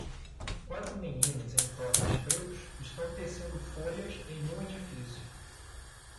Quatro meninas em tops pretos estão tecendo folhas em um edifício.